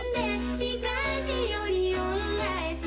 「仕返しより恩返し」